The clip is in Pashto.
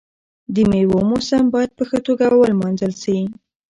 د میوو موسم باید په ښه توګه ولمانځل شي.